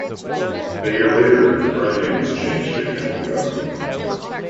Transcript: A year later, the brand name was changed to Campingaz.